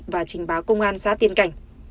và trình báo công an xá tiên cảnh